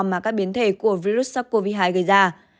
mà các biến thể của virus sars cov hai gây ra